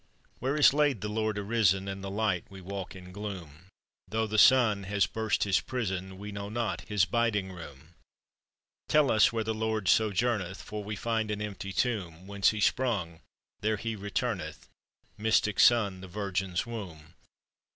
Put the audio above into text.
Where is laid the Lord arisen? In the light we walk in gloom. Though the sun has burst his prison, We know not his biding room. Tell us where the Lord sojourneth, For we find an empty tomb. "Whence He sprung, there He returneth, Mystic Sun, the Virgin's Womb."